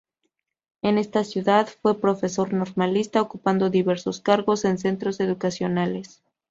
En esta ciudad fue profesor normalista, ocupando diversos cargos en centros educacionales.